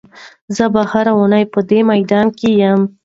زه به هره اونۍ په دې میدان کې یم.